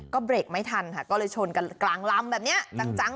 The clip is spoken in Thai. ก็เบรกไม่ทันค่ะก็เลยชนกันกลางลำแบบนี้จัง